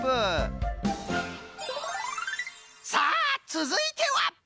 さあつづいては。